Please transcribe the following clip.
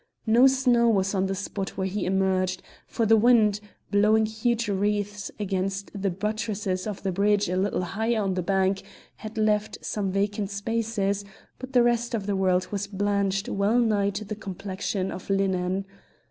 No snow was on the spot where he emerged, for the wind, blowing huge wreaths against the buttresses of the bridge a little higher on the bank, had left some vacant spaces, but the rest of the world was blanched well nigh to the complexion of linen.